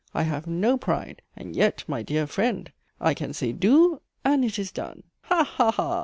I haf no pride; and yet, my dear friend! I can say, do! and it is done. Ha! ha! ha!